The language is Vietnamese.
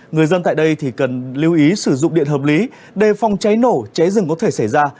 người dân tại đây thì cần lưu ý sử dụng điện hợp lý đề phòng cháy nổ cháy rừng có thể xảy ra